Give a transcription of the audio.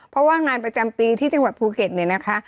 เพราะว่างานประจำปีที่จังหวัดภูเก็ตเนี่ยนะคะ